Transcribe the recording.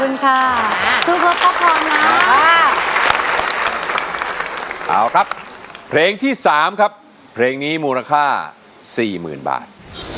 เอาละครับเพลงที่๓ครับเพลงนี้มูลค่า๔๐๐๐บาท